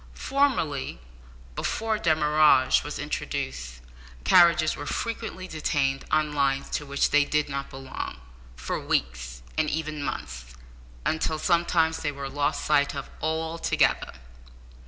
Formerly, before demurrage was introduced, carriages were frequently detained on lines to which they did not belong, for weeks, and even months, until sometimes they were lost sight of altogether!